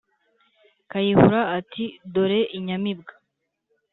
Kayihura ati: “Dore inyamibwa